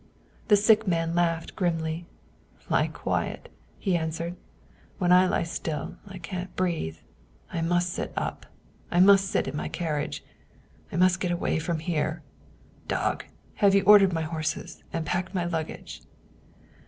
The sick man laughed grimly. " Lie quiet ?" he an swered. " When I lie still, I can't breathe. I must sit up ! I must sit in my carriage ! I must get away from here ! JDog, have you ordered my horses, and packed my lug gage?"